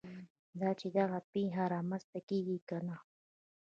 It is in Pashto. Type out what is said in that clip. دا چې دغه پېښه رامنځته کېږي که نه.